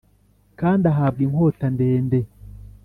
kandi ahabwa inkota ndende.